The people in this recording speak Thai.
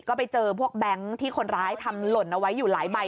ก็ไปเจอพวกแบงค์ที่คนร้ายทำหล่นเอาไว้อยู่หลายใบ